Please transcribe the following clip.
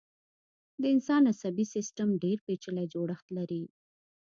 د انسان عصبي سيستم ډېر پيچلی جوړښت لري.